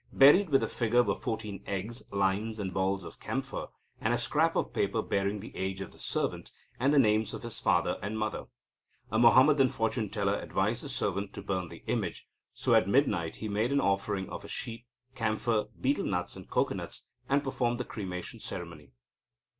Buried with the figure were fourteen eggs, limes, and balls of camphor, and a scrap of paper bearing the age of the servant, and the names of his father and mother. A Muhammadan fortune teller advised the servant to burn the image, so at midnight he made an offering of a sheep, camphor, betel nuts, and cocoanuts, and performed the cremation ceremony.